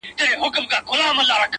د دوست دوست او د کافر دښمن دښمن یو!!